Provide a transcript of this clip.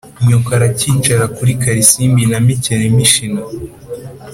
nyoko arakicara kuri karisimbi na mikeno imishino